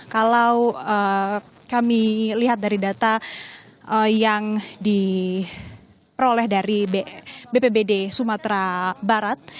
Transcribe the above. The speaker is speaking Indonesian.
kalau kami lihat dari data yang diperoleh dari bpbd sumatera barat